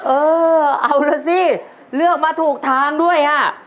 เออเอาล่ะสิเลือกมาถูกทางด้วยอ่ะ